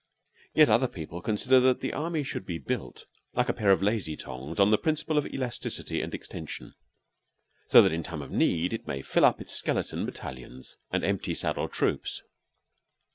Yet other people consider that the army should be built, like a pair of lazy tongs on the principle of elasticity and extension so that in time of need it may fill up its skeleton battalions and empty saddle troops.